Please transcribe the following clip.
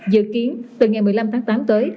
dự kiến từ ngày một mươi năm tháng tám tới